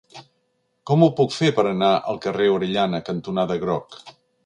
Com ho puc fer per anar al carrer Orellana cantonada Groc?